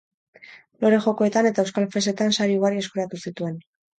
Lore jokoetan eta euskal festetan sari ugari eskuratu zituen.